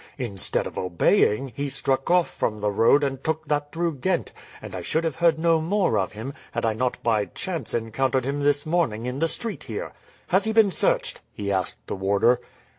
Instead of obeying, he struck off from the road and took that through Ghent; and I should have heard no more of him, had I not by chance encountered him this morning in the street here. Has he been searched?" he asked the warder.